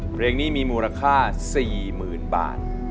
เพลงนี้มีมูลค่า๔๐๐๐บาท